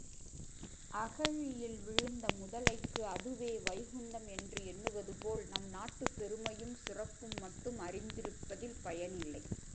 அகழியில் விழுந்த முதலைக்கு அதுவே வைகுந்தம் என்று எண்ணுவதுபோல் நம் நாட்டுப் பெருமையும் சிறப்பும் மட்டும் அறிந்திருப்பதில் பயனில்லை.